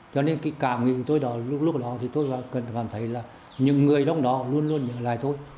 cho nên cái cảm nhận của tôi lúc đó thì tôi cảm thấy là những người trong đó luôn luôn nhớ lại tôi